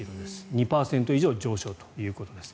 ２％以上上昇ということです。